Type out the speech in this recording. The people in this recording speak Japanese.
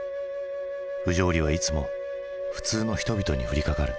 不条理はいつも普通の人々に降りかかる。